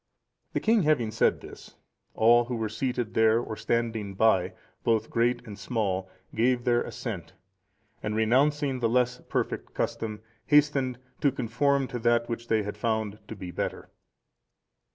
The king having said this, all who were seated there or standing by, both great and small, gave their assent, and renouncing the less perfect custom, hastened to conform to that which they had found to be better.